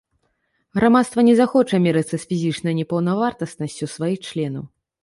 Грамадства не захоча мірыцца з фізічнай непаўнавартаснасцю сваіх членаў.